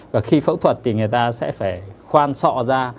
và khi phẫu thuật thì người ta sẽ phải khoan sọ ra